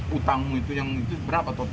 hutangmu itu berapa totalnya